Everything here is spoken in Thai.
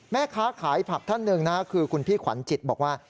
แม่ค้าขายผักท่านหนึ่งนะคือคุณพี่ขวัญจิตบอกว่า